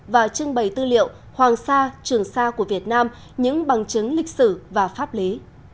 và trưng bày tư liệu hoàng sa trường sa của việt nam những bằng chứng lịch sử và pháp lý